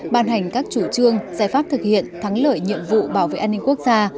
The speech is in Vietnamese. ban hành các chủ trương giải pháp thực hiện thắng lợi nhiệm vụ bảo vệ an ninh quốc gia